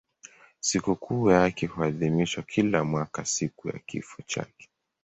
Sikukuu yake huadhimishwa kila mwaka siku ya kifo chake.